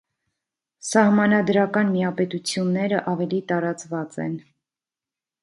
Սահմանադրական միապետությունները ավելի տարածված են։